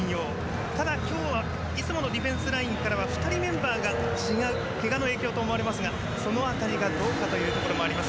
ただ今日はいつものディフェンスラインからは２人メンバーが違うけがの影響と思われますがそのあたりがどうかというところもあります。